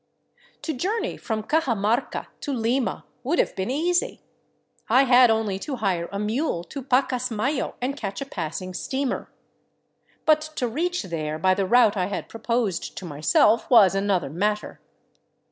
To journey from Cajamarca to Lima would have been easy; I had only to hire a mule to Pacasmayo and catch a passing steamer. But to reach there by the route I had proposed to myself was another mat ter.